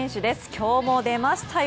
今日も出ましたよ。